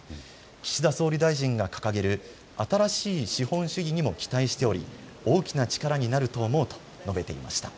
岸田総理大臣が掲げる新しい資本主義にも期待しており大きな力になると思うと述べていました。